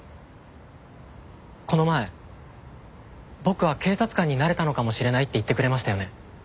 この前僕は警察官になれたのかもしれないって言ってくれましたよね。